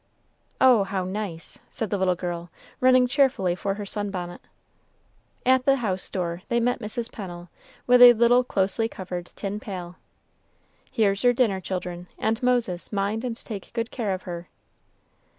"Oh, how nice!" said the little girl, running cheerfully for her sun bonnet. At the house door they met Mrs. Pennel, with a little closely covered tin pail. "Here's your dinner, children; and, Moses, mind and take good care of her."